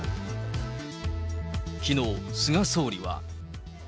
きのう、菅総理は。